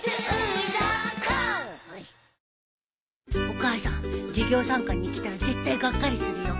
お母さん授業参観に来たら絶対がっかりするよ。